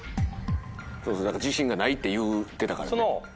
自信がないって言うてたからね。